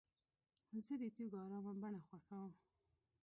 زه د تیږو ارامه بڼه خوښوم.